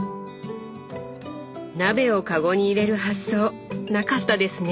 鍋をかごに入れる発想なかったですね！